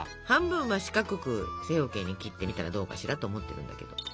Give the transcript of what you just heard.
半分は四角く正方形に切ってみたらどうかしらと思ってるんだけど。